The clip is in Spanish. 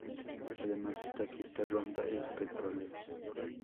Además esta fiesta ronda en Petróleos.